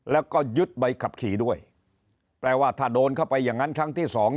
แล้วก็ยึดใบขับขี่ด้วยแปลว่าถ้าโดนเข้าไปอย่างนั้นครั้งที่สอง